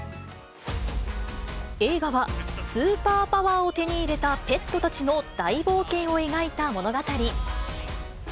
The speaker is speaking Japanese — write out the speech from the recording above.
映画は、スーパーパワーを手に入れたペットたちの大冒険を描いた物語。